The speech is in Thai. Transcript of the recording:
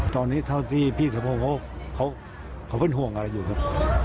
ตอนนี้เท่าที่พี่สมพงศ์เขาเป็นห่วงอะไรอยู่ครับ